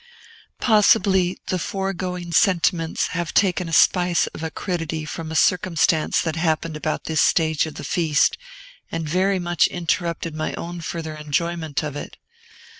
Possibly, the foregoing sentiments have taken a spice of acridity from a circumstance that happened about this stage of the feast, and very much interrupted my own further enjoyment of it.